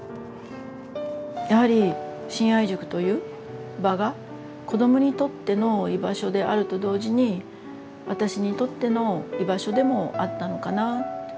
やはり信愛塾という場が子どもにとっての居場所であると同時に私にとっての居場所でもあったのかなと。